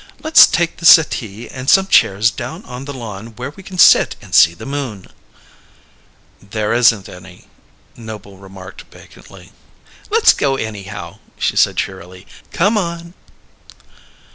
"Let's take the settee and some chairs down on the lawn where we can sit and see the moon." "There isn't any," Noble remarked vacantly. "Let's go, anyhow," she said cheerily. "Come on."